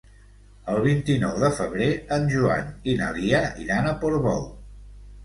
El vint-i-nou de febrer en Joan i na Lia iran a Portbou.